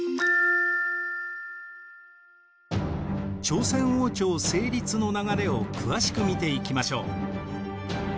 朝鮮王朝成立の流れを詳しく見ていきましょう。